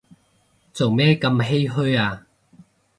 做咩咁唏噓啊